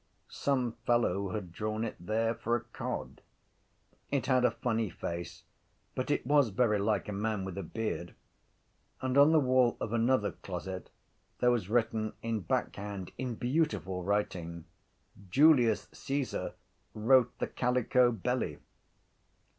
_ Some fellow had drawn it there for a cod. It had a funny face but it was very like a man with a beard. And on the wall of another closet there was written in backhand in beautiful writing: _Julius Cæsar wrote The Calico Belly.